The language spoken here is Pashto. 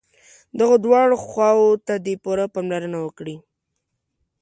دغو دواړو خواوو ته دې پوره پاملرنه وکړي.